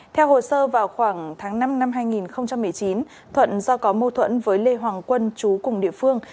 theo hồ sơ vào khoảng tháng năm năm hai nghìn một mươi chín thuận do có mâu thuẫn với lê hoàng quân chú cùng địa phương